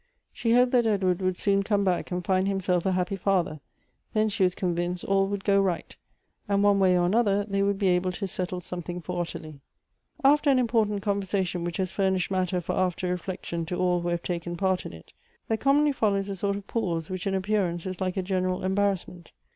She hoped that Edward would soon come back and find him self a happy father, then she was convinced all would go right ; and one way or another they would be able to set tle something for Ottilie. After an important conversation which has furnished matter for after reflection to all who have taken part in it, there commonly follows a sort of pause, which in ap pearance is like a general embarrassment.